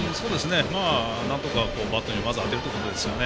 なんとか、バットにまず当てるっていうことですね。